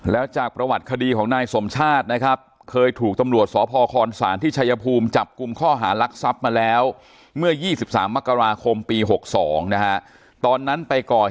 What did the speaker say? แล้วจากประวัติคดีของนายสมชาตินะครับเคยถูกตำรวจสพคศที่ชายภูมิจับกลุ่มข้อหารักทรัพย์มาแล้วเมื่อ๒๓มกราคมปี๖๒นะฮะตอนนั้นไปก่อ